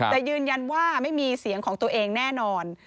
แต่ยืนยันว่าไม่มีเสียงของตัวเองแน่นอน